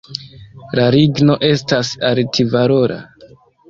La ligno estas alt-valora.